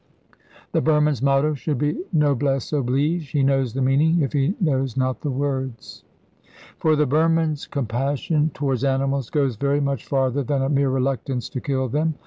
The Burman's motto should be Noblesse oblige; he knows the meaning, if he knows not the words. For the Burman's compassion towards animals goes very much farther than a mere reluctance to kill them.